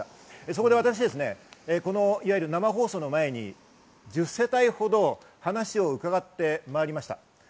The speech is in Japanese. そこで私はこの生放送の前に１０世帯ほど話を伺ってまいりました。